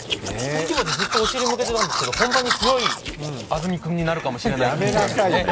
さっきまでずっとお尻を見せていたんですけど本番に強いアズミ君になるかもしれないね。